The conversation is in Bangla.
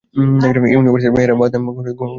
ইউনিভার্সিটির মেয়েরা মাথায় ঘোমটা দেয় শুধু আজানের সময়।